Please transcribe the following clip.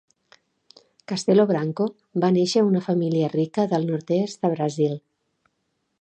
Castelo Branco va néixer a una família rica del nord-est de Brasil.